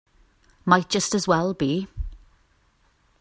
Might just as well be.